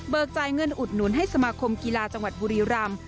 จ่ายเงินอุดหนุนให้สมาคมกีฬาจังหวัดบุรีรำ